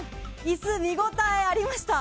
椅子、見応えありました！